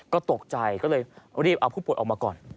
ก็ตกใจก็เลยรีบเอาผู้ป่วยออกมาก่อน